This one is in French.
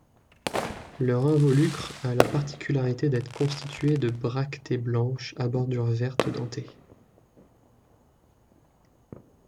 Leur involucre a la particularité d'être constitué de bractées blanches à bordure verte, dentée.